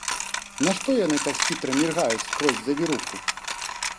Нашто яны так хітра міргаюць скрозь завіруху?